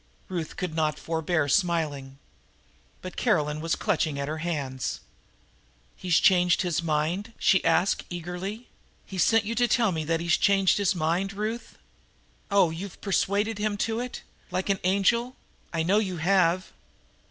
Ruth could not forbear smiling. But Caroline was clutching at her hands. "He's changed his mind?" she asked eagerly. "He's sent you to tell me that he's changed his mind, Ruth? Oh, you've persuaded him to it like an angel I know you have!"